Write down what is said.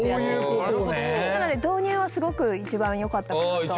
なので導入はすごく一番よかったかなと。